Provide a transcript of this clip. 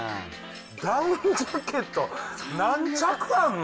ダウンジャケット、何着あるの？